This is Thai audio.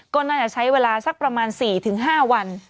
ก็น่าจะใช้เวลาสักประมาณ๔๕วัน